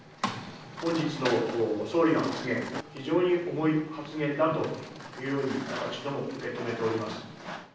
本日の総理の発言、非常に重い発言だというふうに、私ども受け止めております。